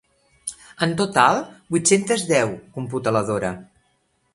En total, vuit-centes deu —computa la Dora.